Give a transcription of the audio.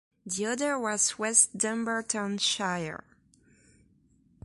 The other was West Dunbartonshire.